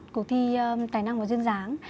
cuộc thi tài năng và duyên dáng